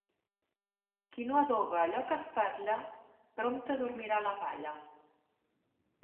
Qui no adoba allò que espatlla, prompte dormirà a la palla.